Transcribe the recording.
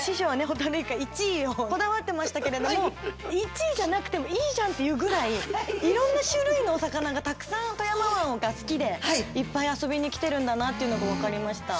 ホタルイカ１位をこだわってましたけれども１位じゃなくてもいいじゃん！っていうぐらいいろんな種類のお魚がたくさん富山湾が好きでいっぱい遊びに来てるんだなっていうのが分かりました。